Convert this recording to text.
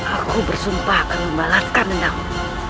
aku bersumpah akan membalaskan rendangmu